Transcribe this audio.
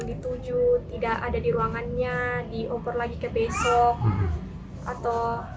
jelita lulus seleksi pendiam di lingkungan pampang kota makassar ini bisa menjadi polisi wanita